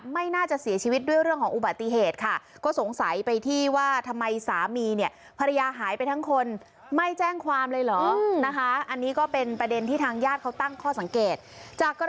ไม่น่าจะเสียชีวิตด้วยเรื่องของอุบัติเหตุค่ะ